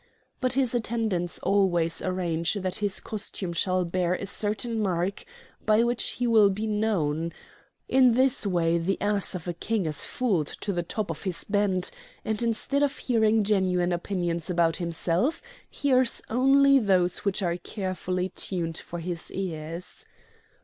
But his attendants always arrange that his costume shall bear a certain mark by which he will be known. In this way the ass of a King is fooled to the top of his bent, and instead of hearing genuine opinions about himself hears only those which are carefully tuned for his ears.